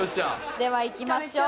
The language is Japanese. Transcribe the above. ではいきましょう。